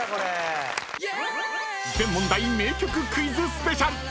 ［全問題名曲クイズスペシャル］